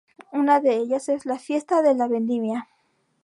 Una de ellas es "La Fiesta de la Vendimia".